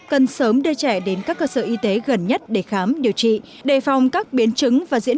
cần sớm đưa trẻ đến các cơ sở y tế gần nhất để khám điều trị đề phòng các biến chứng và diễn